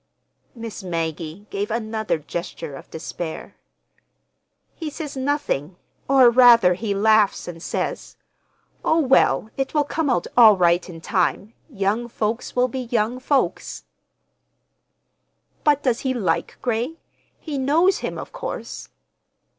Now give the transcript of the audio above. Miss Maggie gave another gesture of despair. "He says nothing—or, rather, he laughs, and says: 'Oh, well, it will come out all right in time. Young folks will be young folks!'" "But does he like Gray? He knows him, of course."